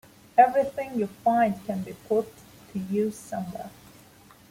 Everything you find can be put to use somewhere.